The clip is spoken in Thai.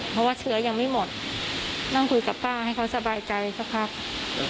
เพราะว่าเชื้อยังไม่หมดนั่งคุยกับป้าให้เขาสบายใจสักพัก